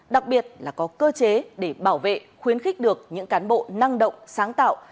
đặc biệt là có cơ chế để bảo vệ khuyến khích được những cán bộ năng động sáng tạo